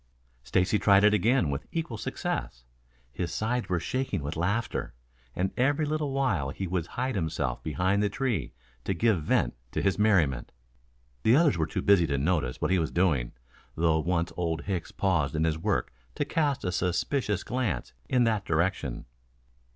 Stacy tried it again with equal success. His sides were shaking with laughter, and every little while he would hide himself behind the tree to give vent to his merriment. The others were too busy to notice what he was doing, though once Old Hicks paused in his work to cast a suspicious glance in that direction.